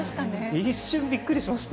一瞬びっくりしました。